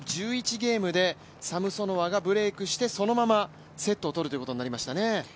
ゲームでサムソノワがブレークしてそのままセットを取ることになりましたね。